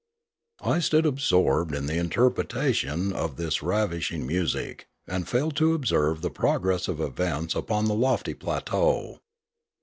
I stood absorbed in the interpretation of this ravish ing music, and failed to observe the progress of events upon the lofty plateau.